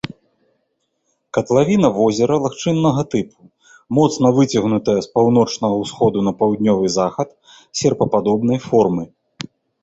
Катлавіна возера лагчыннага тыпу, моцна выцягнутая з паўночнага ўсходу на паўднёвы захад, серпападобнай формы.